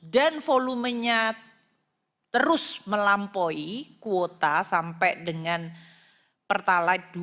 dan volumenya terus melampaui kuota sampai dengan pertalite dua puluh sembilan